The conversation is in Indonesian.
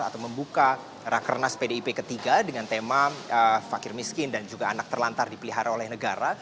atau membuka rakernas pdip ketiga dengan tema fakir miskin dan juga anak terlantar dipelihara oleh negara